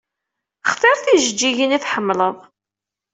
Xtir tijeǧǧigin i tḥemmleḍ.